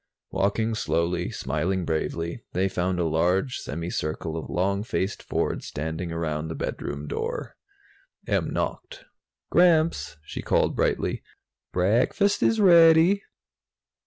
Walking slowly, smiling bravely, they found a large semi circle of long faced Fords standing around the bedroom door. Em knocked. "Gramps," she called brightly, "break fast is rea dy."